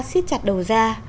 xít chặt đầu ra